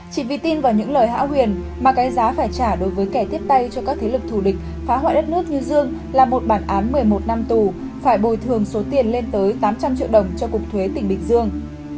chỉ vì tin vào những lời hảo huyền mà cái giá phải trả đối với kẻ tiếp tay cho các thế lực thù địch phá hoại đất nước như dương là một bản án một mươi một năm tù phải bồi thường số tiền lên tới tám trăm linh triệu đồng cho cục thuế tỉnh bình dương